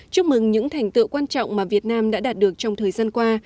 chúc mừng những thành tựu quan trọng mà việt nam đã đạt được trong thời gian qua